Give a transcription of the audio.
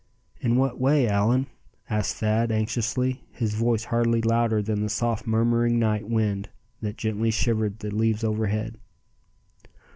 "In what way, Allan?" asked Thad, anxiously, his voice hardly louder than the soft murmuring night wind that gently shivered the leaves overhead.